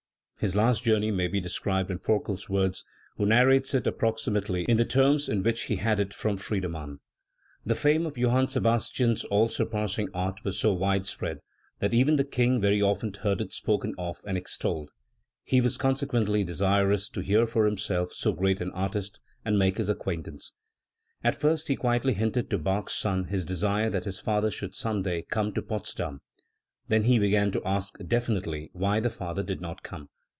His last journey may be described in Forkel's words, who narrates it ap proximately in the terms in which he had it from Friede mann: "The fame of Joliann Sebastian's all surpassing art was so wide spread that even the King very often heard it spoken of and extolled. He was consequently desirous to hear for himself so great an artist, and make his acquaintance. At first he quietly hinted to Bach's son his desire that Ms father should some day come to Potsdam; then he began to ask definitely why the father did not come.